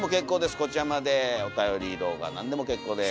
こちらまでおたより動画何でも結構です。